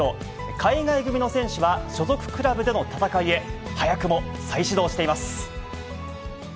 海外組の選手は、所属クラブでの戦いへ、早くも再始動しています。